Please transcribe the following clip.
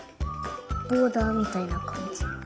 ボーダーみたいなかんじ。